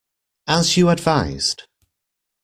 As you advised.